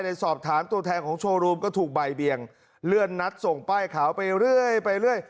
ในสอบถามตัวแทนของโชว์รูมก็ถูกใบเบียงเลื่อนนัดส่งป้ายขาวไปเรื่อย